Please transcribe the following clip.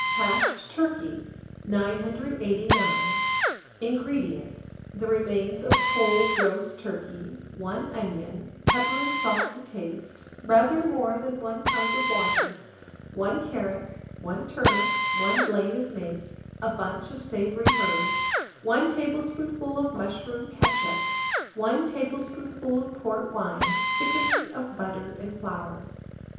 HASHED TURKEY. 989. INGREDIENTS. The remains of cold roast turkey, 1 onion, pepper and salt to taste, rather more than 1 pint of water, 1 carrot, 1 turnip, 1 blade of mace, a bunch of savoury herbs, 1 tablespoonful of mushroom ketchup, 1 tablespoonful of port wine, thickening of butter and flour.